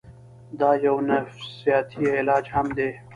دا يو نفسياتي علاج هم دے